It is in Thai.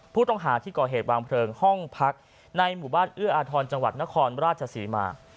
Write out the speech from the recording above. ผู้ต้องหาที่ก่อเหตุวางเพลิงห้องพักในหมู่บ้านเอื้ออาทรจังหวัดนครราชศรีมา